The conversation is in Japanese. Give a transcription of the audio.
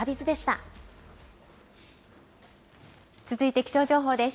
続いて気象情報です。